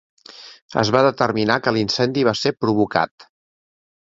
Es va determinar que l'incendi va ser provocat.